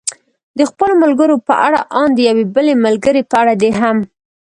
د خپلو ملګرو په اړه، ان د یوې بلې ملګرې په اړه دې هم.